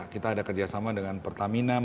kita ada kerjasama dengan pertamina